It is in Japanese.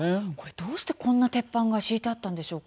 どうしてこんな鉄板が敷いてあったのでしょうか。